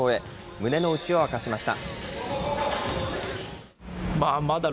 胸の内を明かしました。